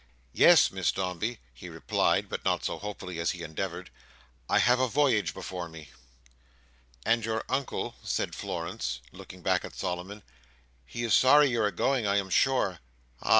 "Yes, Miss Dombey," he replied, but not so hopefully as he endeavoured: "I have a voyage before me." "And your Uncle," said Florence, looking back at Solomon. "He is sorry you are going, I am sure. Ah!